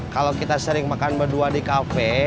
kalau kita sering makan berdua di kafe